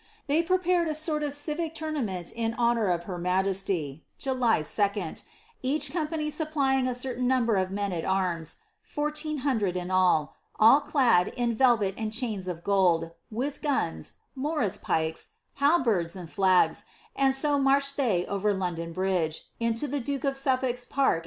They prepared a sort of civic tournament in honour of her majea^, July 2d, each company supplying a certain number of men at arms, 1400 in all, all clad in velvet and chains of gold, with guns, monia iHkes, halberds, and flags, and so marched ihey over London Bridge, into the duke of Sufiblk's paik.